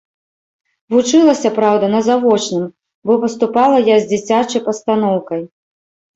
Вучылася, праўда, на завочным, бо паступала я з дзіцячай пастаноўкай.